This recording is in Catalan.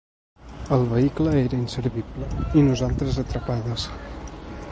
El vehicle era inservible i nosaltres atrapades.